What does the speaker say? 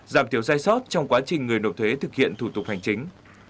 giảm thiểu sai sót trong quá trình người nộp thuế thực hiện thủ tục hành chính